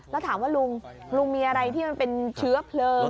แล้วถามว่าลุงลุงมีอะไรที่มันเป็นเชื้อเพลิง